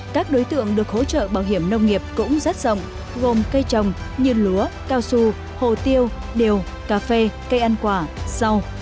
các đối tượng được hỗ trợ bảo hiểm nông nghiệp cũng rất rộng gồm cây trồng như lúa cao su hồ tiêu điều cà phê cây ăn quả rau